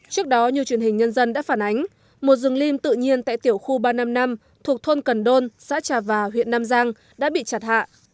trước đó như truyền hình nhân dân đã phản ánh một rừng lim tự nhiên tại tiểu khu ba trăm năm mươi năm thuộc thôn cần đôn xã trà và huyện nam giang đã bị chặt hạ